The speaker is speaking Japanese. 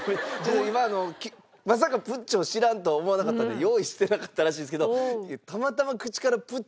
まさかぷっちょを知らんと思わなかったので用意してなかったらしいんですけど。